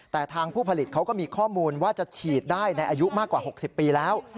แต่ทางผู้ผลิตเขาก็มีข้อมูลว่าจะฉีดได้ในอายุมากกว่า๖๐ปีแล้ว